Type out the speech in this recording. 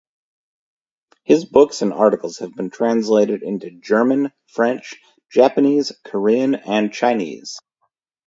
His books and articles have been translated into German, French, Japanese, Korean and Chinese.